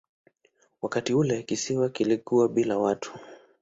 Wakati ule kisiwa kilikuwa bila watu.